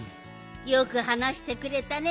よくはなしてくれたね。